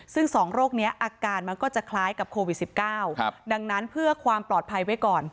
ซึ่ง๒โรคนี้อาการมันก็จะคล้ายกับโควิด๑๙ดังนั้นเพื่อความปลอดภัยไว้ก่อน